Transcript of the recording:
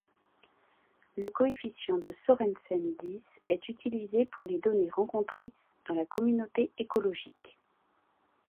Le coefficient de Sørensen-Dice est utilisé pour les données rencontrées dans la communauté écologique.